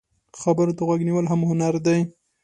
خبرو ته غوږ نیول هم هنر دی